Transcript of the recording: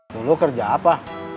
dulu kerja apa